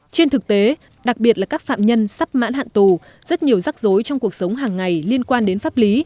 trên thực tế đặc biệt là các phạm nhân sắp mãn hạn tù rất nhiều rắc rối trong cuộc sống hàng ngày liên quan đến pháp lý